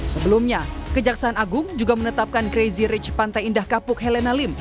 sebelumnya kejaksaan agung juga menetapkan crazy rich pantai indah kapuk helena lim